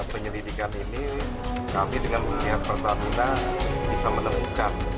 penyelidikan ini kami dengan pihak pertamina bisa menemukan